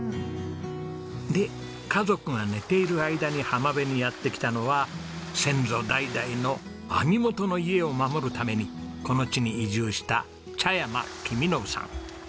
で家族が寝ている間に浜辺にやって来たのは先祖代々の網元の家を守るためにこの地に移住した茶山公伸さん。